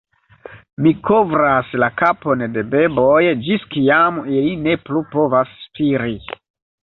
"Mi kovras la kapon de beboj ĝis kiam ili ne plu povas spiri."